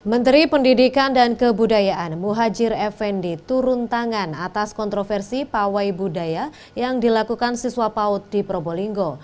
menteri pendidikan dan kebudayaan muhajir effendi turun tangan atas kontroversi pawai budaya yang dilakukan siswa paut di probolinggo